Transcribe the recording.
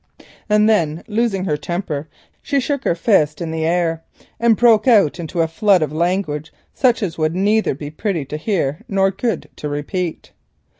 And then, losing her temper, she shook her fist in the air and broke out into a flood of language such as would neither be pretty to hear nor good to repeat.